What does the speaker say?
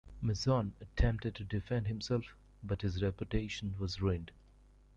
Mason attempted to defend himself, but his reputation was ruined.